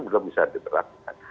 belum bisa diberlakukan